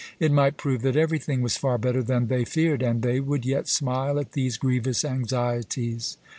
It might prove that everything was far better than they feared, and they would yet smile at these grievous anxieties.